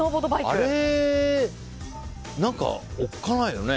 あれ、おっかないよね。